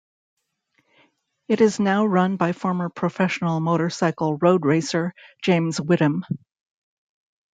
It is now run by former professional motorcycle road racer James Whitham.